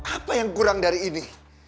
apa yang kurang dari ini